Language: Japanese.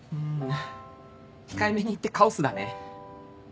控えめに言ってカオスだね。